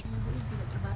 ibu juga terbatas